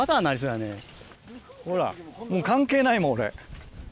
ほらもう関係ないもん俺。